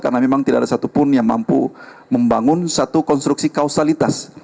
karena memang tidak ada satupun yang mampu membangun satu konstruksi kausalitas